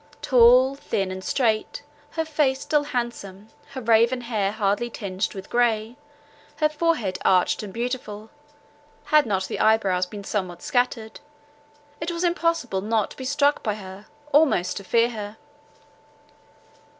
Tall, thin, and strait, her face still handsome, her raven hair hardly tinged with grey, her forehead arched and beautiful, had not the eye brows been somewhat scattered—it was impossible not to be struck by her, almost to fear her.